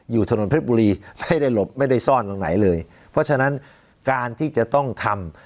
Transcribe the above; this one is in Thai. อยู่ถนนเพชรบุรีไม่ได้หลบไม่ได้ซ่อนตรงไหนเลยเพราะฉะนั้นการที่จะต้องทำ